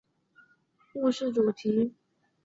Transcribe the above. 故事主题环绕明朝初年富商沈万三的聚宝盆。